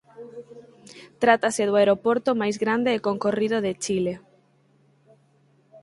Trátase do aeroporto máis grande e concorrido de Chile.